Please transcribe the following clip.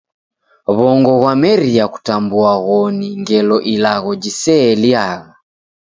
W'ongo ghwameria kutambua ghoni ngelo ilagho jiseeliagha.